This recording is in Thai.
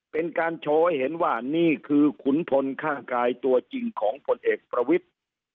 เป็นการโชว์ให้เห็นว่านี่คือขุนพลข้างกายตัวจริงของผลเอกประวิทธิ์